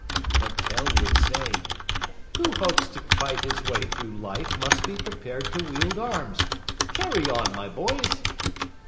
But Tell would say, "Who hopes to fight his way through life must be prepared to wield arms. Carry on, my boys!"